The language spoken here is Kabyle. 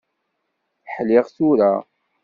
Ḥliɣ tura.